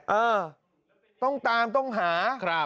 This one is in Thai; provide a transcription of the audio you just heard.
เออต้องตามต้องหา